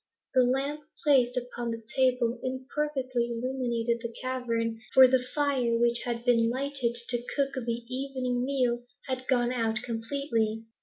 The lamp placed upon the table imperfectly illumined the cavern, for the fire which had been lighted to cook the evening meal had gone out completely.